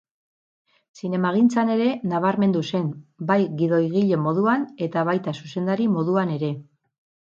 Zinemagintzan ere nabarmendu zen, bai gidoigile moduan eta baita zuzendari moduan ere.